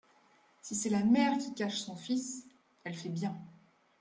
Si c’est la mère qui cache son fils, elle fait bien.